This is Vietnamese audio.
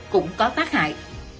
cũng có phát hại